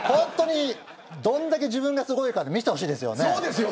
どれだけ自分がすごいか見せてほしいですよね。